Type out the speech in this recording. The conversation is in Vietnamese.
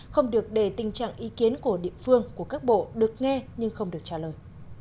không được để tình trạng ý kiến của địa phương của các bộ được nghe nhưng không được trả lời